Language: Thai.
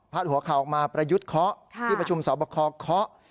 หัวข่าวออกมาประยุทธ์เคาะที่ประชุมสอบคอเคาะ